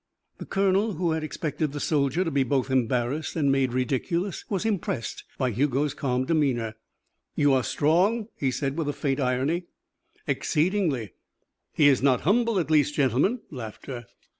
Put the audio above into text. The colonel, who had expected the soldier to be both embarrassed and made ridiculous, was impressed by Hugo's calm demeanour. "You are strong?" he said with a faint irony. "Exceedingly." "He is not humble, at least, gentlemen." Laughter.